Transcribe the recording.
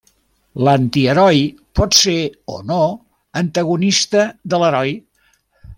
L'antiheroi pot ser o no antagonista de l'heroi.